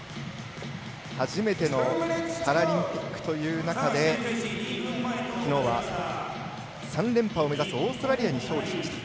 初めてのパラリンピックという中できのうは３連覇を目指すオーストラリアに勝利しました。